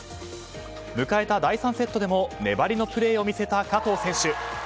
迎えた第３セットでも粘りのプレーを見せた加藤選手。